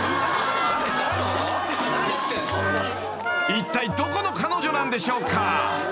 ［いったいどこの彼女なんでしょうか］